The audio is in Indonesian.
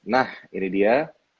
nah ini dia